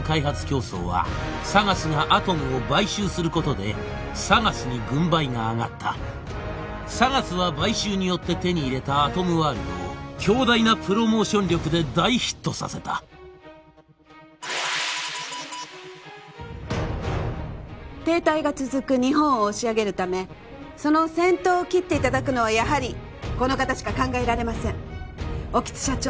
競争はＳＡＧＡＳがアトムを買収することでＳＡＧＡＳに軍配が上がったＳＡＧＡＳは買収によって手に入れたアトムワールドを強大なプロモーション力で大ヒットさせた停滞が続く日本を押し上げるためその先頭を切っていただくのはやはりこの方しか考えられません興津社長